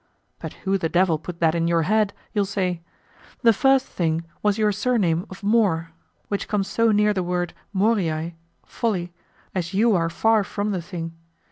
But who the devil put that in your head? you'll say. The first thing was your surname of More, which comes so near the word Moriae (folly) as you are far from the thing.